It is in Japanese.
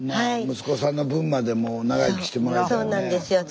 息子さんの分までもう長生きしてもらいたいわね。